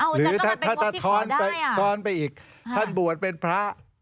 หรือถ้าซ้อนไปอีกท่านบวชเป็นพระ